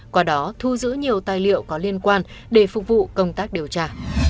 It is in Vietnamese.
qua đó thu giữ nhiều tài liệu có liên quan để phục vụ công tác điều tra